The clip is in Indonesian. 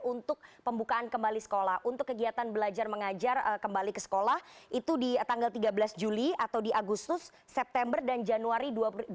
untuk pembukaan kembali sekolah untuk kegiatan belajar mengajar kembali ke sekolah itu di tanggal tiga belas juli atau di agustus september dan januari dua ribu dua puluh